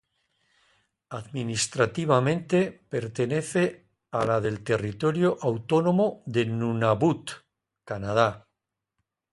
Administrativamente, pertenece a la del Territorio Autónomo de Nunavut, Canadá.